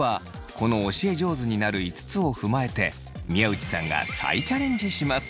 この教え上手になる５つを踏まえて宮内さんが再チャレンジします。